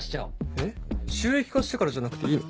えっ？収益化してからじゃなくていいの？